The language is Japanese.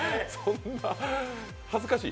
恥ずかしい？